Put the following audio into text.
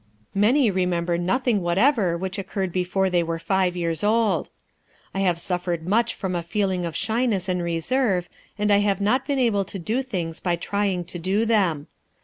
Many remember nothing whatever which occurred before they were five years old.... I have suffered much from a feeling of shyness and reserve, and I have not been able to do things by trying to do them.